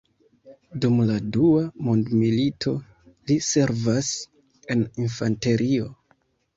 Dum la Dua Mondmilito, li servas en infanterio.